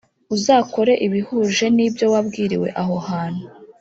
uzakore ibihuje n ibyo wabwiriwe aho hantu